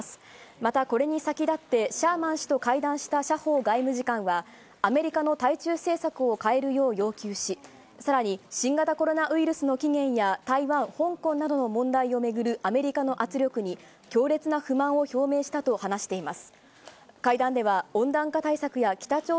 またこれに先立って、シャーマン氏と会談した謝鋒外務次官は、アメリカのアメリカの対中政策を変えるよう要求し、さらに、新型コロナウイルスの起源や、台湾、香港などの問題を巡るアメリカの圧力に強烈な不満を表明したと話しています。